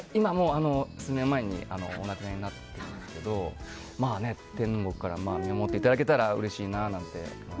数年前にお亡くなりになったんですけど天国から見守っていただけたらうれしいなって。